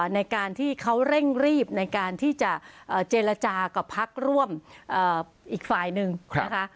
ในการที่เขาเร่งรีบในการที่จะเจรจากับพักร่วมอีกฝ่ายหนึ่งนะคะ